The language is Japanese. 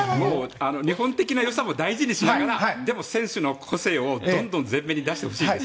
日本的な良さも大事にしながらでも選手の個性をどんどん前面に出してほしい。